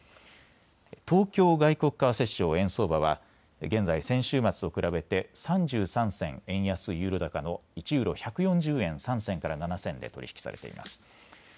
東京外国為替市場円相場は現在、先週末と比べて３３銭円安ユーロ高の１ユーロ１４０円３銭から７銭で取り引きされています。